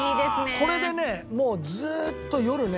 これでねもうずーっと夜ね